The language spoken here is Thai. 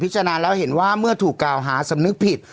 จารณ์แล้วเห็นว่าเมื่อถูกกล่าวหาสำนึกผิด